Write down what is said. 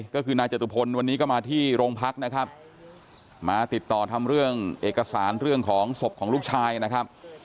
ก็คือนายจตุพลวันนี้ก็มาที่โรงพักนะครับมาติดต่อทำเรื่องเอกสารเรื่องของศพของลูกชายนะครับ